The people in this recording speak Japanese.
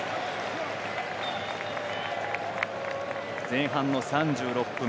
前半の３６分。